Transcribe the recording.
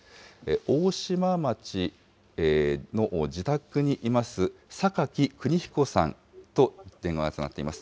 大島町の自宅にいますさかきくにひこさんと電話がつながっています。